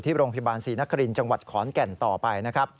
ที่โรงพยาบาล๔นครินต์จังหวัดขอนแก่นต่อไป